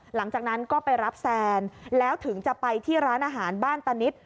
หลังจากนั้นก็ไปรับแซนแล้วถึงจะไปที่ร้านอาหารบ้านตานิด